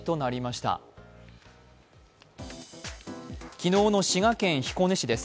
昨日の滋賀県彦根市です。